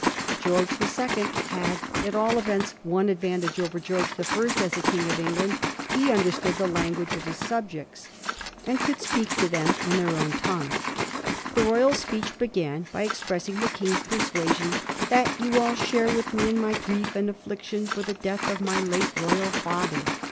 Greorge the Second had at all events one advantage over George the First as a King of England ; he imderstood the language of his subjects, and could speak to them in their own tongue. The Royal Speech began by expressing the King's persuasion that ' you all share with me in my grief and affliction for the death of my late royal father.'